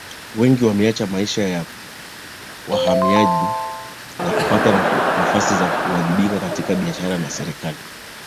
wengi wameacha maisha ya wahamaji na kupata nafasi za kuwajibika katika biashara na serikali